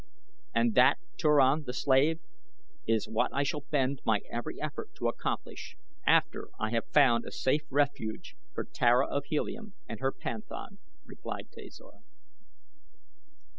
"And that, Turan the slave, is what I shall bend my every effort to accomplish after I have found a safe refuge for Tara of Helium and her panthan," replied Tasor.